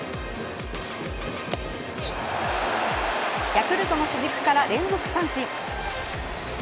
ヤクルトの主軸から連続三振。